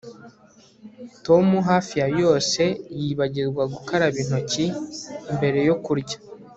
Tom hafi ya yose yibagirwa gukaraba intoki mbere yo kurya